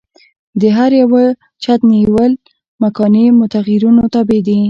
د هر یوه چت تعینول مکاني متغیرونو تابع دي.